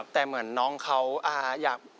แต่เหมือนน้องเขาอยาก